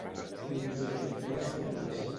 L'onzè, no destorbaràs.